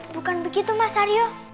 bukan begitu mas aryo